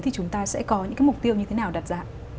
thì chúng ta sẽ có những cái mục tiêu như thế nào đặt dạng